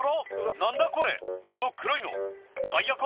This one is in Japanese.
なんだこれ、この黒いの。